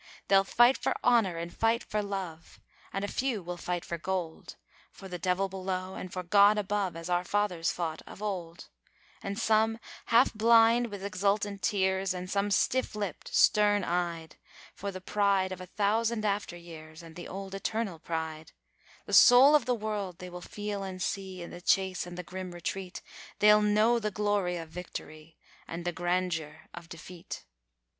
They'll fight for honour and fight for love, and a few will fight for gold, For the devil below and for God above, as our fathers fought of old; And some half blind with exultant tears, and some stiff lipped, stern eyed, For the pride of a thousand after years and the old eternal pride; The soul of the world they will feel and see in the chase and the grim retreat They'll know the glory of victory and the grandeur of defeat.